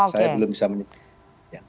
saya belum bisa menyebutkan